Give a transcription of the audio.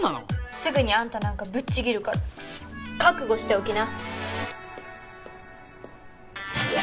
すぐにあんたなんかぶっちぎるから覚悟しておきな！